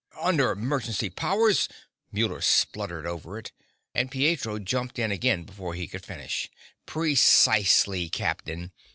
"Under emergency powers " Muller spluttered over it, and Pietro jumped in again before he could finish. "Precisely, Captain.